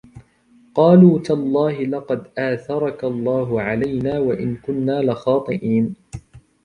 قالوا تالله لقد آثرك الله علينا وإن كنا لخاطئين